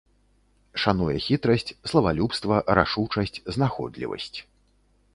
Шануе хітрасць, славалюбства, рашучасць, знаходлівасць.